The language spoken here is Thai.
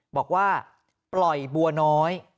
บอกว่าปล่อยบัวน้อย